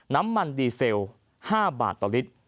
น้ำมันดีเซล๕บาทต่อลิตร